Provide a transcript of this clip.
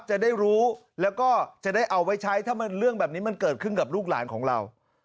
จะได้รู้แล้วก็จะได้เอาไว้ใช้ถ้าเรื่องแบบนี้มันเกิดขึ้นกับลูกหลานของเรา